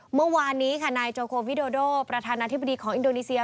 เมื่อวานนี้ค่ะนายโจโควิโดโดประธานาธิบดีของอินโดนีเซีย